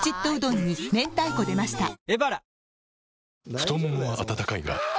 太ももは温かいがあ！